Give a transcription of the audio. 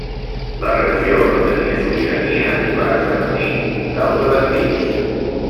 La regió no tenia sobirania i va esdevenir un cau de bandits.